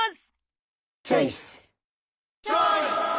チョイス！